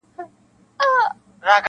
د طوطي له خولې خبري نه وتلې-